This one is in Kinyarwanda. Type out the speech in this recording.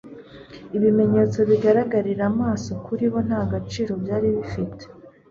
Ibimenyetso bigaragarira amaso kuri bo nta gaciro byari bifite.